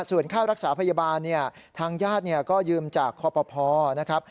ส่วนค่ารักษาพยาบาลเนี่ยทางญาติก็ยืมจากคอปภนะครับ